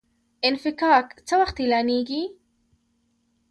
انفکاک څه وخت اعلانیږي؟